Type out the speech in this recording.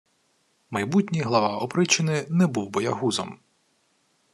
Майбутній глава опричнини не був боягузом